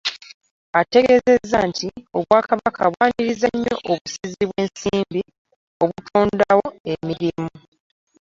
Ategeezezza nti Obwakabaka bwaniriza nnyo obusizi bw'ensimbi obutondawo emirimu.